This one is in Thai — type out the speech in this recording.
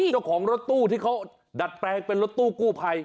เจ้าของรถตู้ที่เขาดัดแปลงเป็นรถตู้กู้ภัย